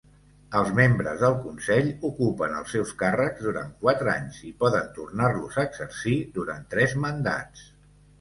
Els membres del consell ocupen els seus càrrecs durant quatre anys i poden tornar-los a exercir durant tres mandats.